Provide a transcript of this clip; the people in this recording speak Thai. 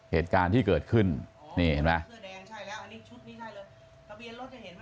เหตุการณ์ที่เกิดขึ้นนี่เห็นไหม